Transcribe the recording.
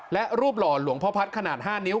และรูปหล่อหลวงพ่อพัฒน์ขนาด๕นิ้ว